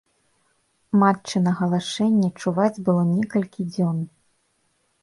Матчына галашэнне чуваць было некалькі дзён.